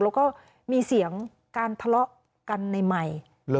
แล้วก็มีเสียงการทะเลาะกันในไมค์